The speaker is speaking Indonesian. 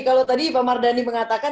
kalau tadi pak mardhani mengatakan